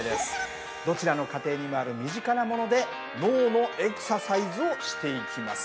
どちらの家庭にもある身近なもので脳のエクササイズをしていきます。